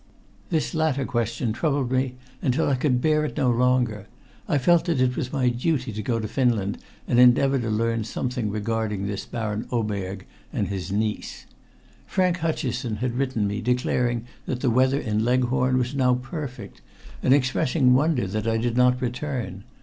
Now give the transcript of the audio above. This latter question troubled me until I could bear it no longer. I felt that it was my duty to go to Finland and endeavor to learn something regarding this Baron Oberg and his niece. Frank Hutcheson had written me declaring that the weather in Leghorn was now perfect, and expressing wonder that I did not return.